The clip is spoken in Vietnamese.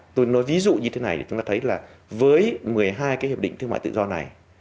tôi nói ví dụ như thế này thì chúng ta thấy là với một mươi hai cái hiệp định thương mại tự do này